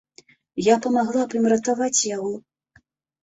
Я памагла б ім ратаваць яго.